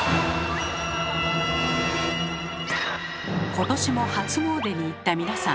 今年も初詣に行った皆さん。